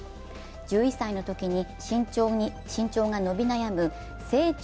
１１歳のときに身長が伸び悩む成長